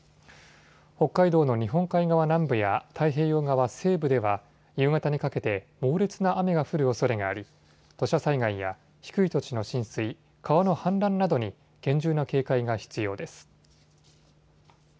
北海道の日本海側南部や太平洋側西部では夕方にかけて猛烈な雨が降るおそれがあり土砂災害や低い土地の浸水、川の氾濫などに厳重な警戒が必要です。